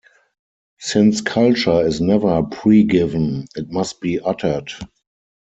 Since culture is never pre-given, it must be uttered.